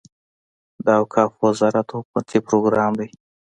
د اوقافو وزارت حکومتي پروګرام دی.